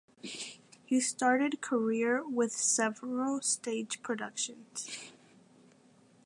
He started career with several stage productions.